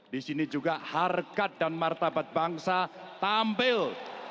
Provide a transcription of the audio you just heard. di sini juga harkat dan martabat bangsa tampil